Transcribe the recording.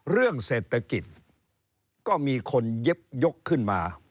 เรื่องเศรษฐกิจก็มีคนเย็บยกขึ้นมา